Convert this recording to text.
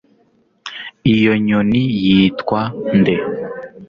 iyo nyoni yitwa nde